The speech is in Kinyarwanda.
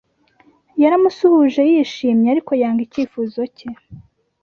yaramusuhuje yishimye ariko yanga icyifuzo cye